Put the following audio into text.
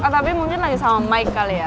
tapi mungkin lagi sama mike kali ya